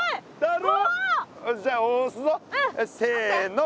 せの。